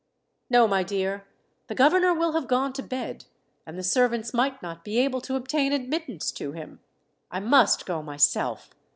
"No, my dear. The governor will have gone to bed, and the servants might not be able to obtain admittance to him. I must go myself.